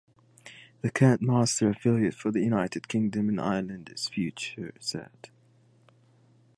The current Master Affiliate for the United Kingdom and Ireland is Future Cert.